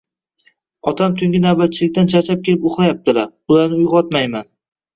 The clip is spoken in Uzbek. “Otam tungi navbatchilikdan charchab kelib uxlayaptilar, ularni uyg‘otmayman